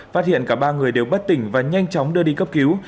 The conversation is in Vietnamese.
phát hiện cả ba người đều bất tỉnh và nhanh chóng đưa đi cấp cứu